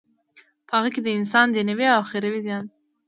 په هغه کی د انسان دینوی او اخروی زیان دی.